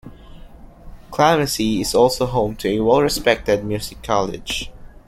Clamecy is also home to a well-respected music college.